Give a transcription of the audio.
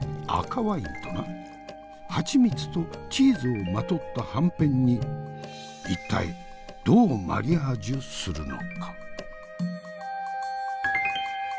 ハチミツとチーズをまとったはんぺんに一体どうマリアージュするのか？